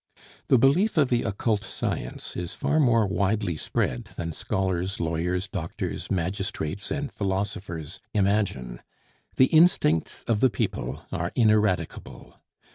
The belief of the occult science is far more widely spread than scholars, lawyers, doctors, magistrates, and philosophers imagine. The instincts of the people are ineradicable.